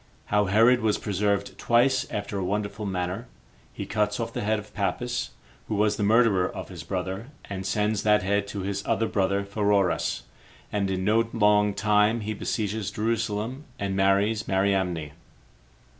How Herod Was Preserved Twice After A Wonderful Manner. He Cuts Off The Head Of Pappus, Who Was The Murderer Of His Brother And Sends That Head To [His Other Brother] Pheroras, And In No Long Time He Besieges Jerusalem And Marries Mariamne.